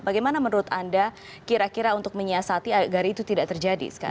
bagaimana menurut anda kira kira untuk menyiasati agar itu tidak terjadi sekarang